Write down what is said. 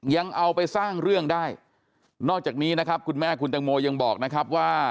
ยังเอาไปสร้างเรื่องได้นอกจากนี้นะครับคุณแม่คุณตังโมยังบอกนะครับว่า